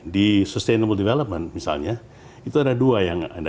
di sustainable development misalnya itu ada dua yang ada